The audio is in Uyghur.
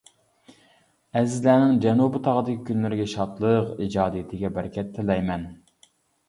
ئەزىزلەرنىڭ جەنۇبىي تاغدىكى كۈنلىرىگە شادلىق، ئىجادىيىتىگە بەرىكەت تىلەيمەن!